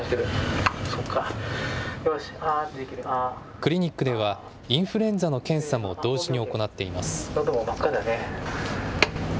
クリニックではインフルエンザの検査も同時に行っています。